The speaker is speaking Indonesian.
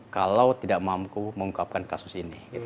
kalau tidak mampu mengungkapkan kasus ini